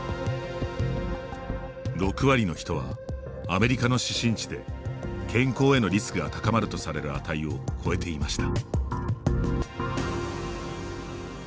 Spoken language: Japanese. ６割の人は、アメリカの指針値で健康へのリスクが高まるとされる値を超えていました。